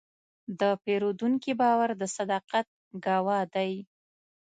د پیرودونکي باور د صداقت ګواه دی.